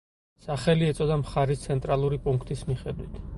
სახელი ეწოდა მხარის ცენტრალური პუნქტის მიხედვით.